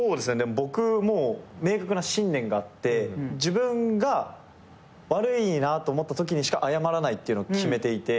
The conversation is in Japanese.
僕明確な信念があって自分が悪いなと思ったときにしか謝らないっていうの決めていて。